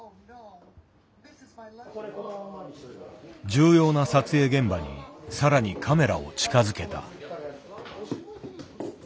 重要な撮影現場に更にカメラを近づけた。